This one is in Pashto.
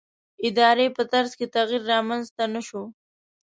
ادارې په طرز کې تغییر رامنځته نه شو.